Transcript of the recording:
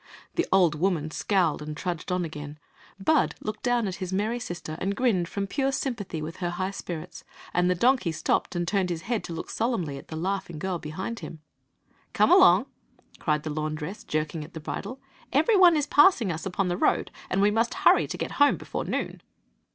The old woman scowled and trudged on again; Bud looked down at his merry sister and grinned from pure sympathy with her high spirits; and the donkey stopped and turned his head to look solemnly at the laughing girl behind him. Come along !" cried the laundress* jerking at the bridle ;" every one is passing us upon the road, and we must hurry to get home before noon."